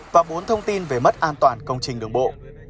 và bốn thông tin về mất an toàn công trình đường bộ